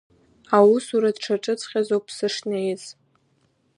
Аусура дшаҿыҵәҟьазоуп сышнеиз.